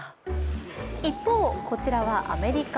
一方、こちらはアメリカ。